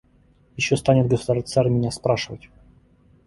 Еще станет государь-царь меня спрашивать: